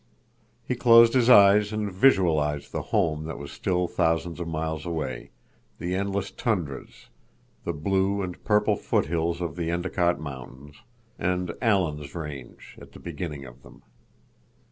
He closed his eyes and visualized the home that was still thousands of miles away—the endless tundras, the blue and purple foothills of the Endicott Mountains, and "Alan's Range" at the beginning of them.